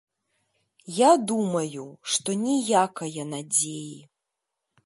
Я думаю, што ніякае надзеі.